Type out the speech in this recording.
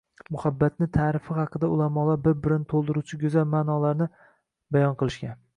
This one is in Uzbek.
Muhabbatni ta'rifihaqida ulamolar bir birini to‘ldiruvchi go‘zal ma'nolarni bayon qilishgan